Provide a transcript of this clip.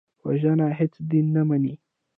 وژنه هېڅ دین نه مني